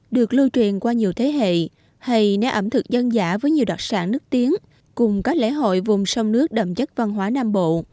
được lưu truyền qua nhiều thế hệ hay nét ẩm thực dân giả với nhiều đặc sản nước tiếng cùng các lễ hội vùng sông nước đậm chất văn hóa nam bộ